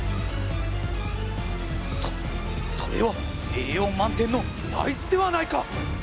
そそれは栄養満点の大豆ではないか！